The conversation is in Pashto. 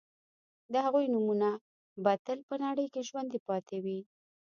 د هغوی نومونه به تل په نړۍ کې ژوندي پاتې وي